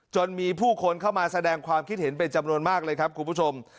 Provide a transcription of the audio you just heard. จนมีผู้คนเข้ามาแสดงความคิดเห็นเป็นจำนวนมากเลยครับคุณผู้ชม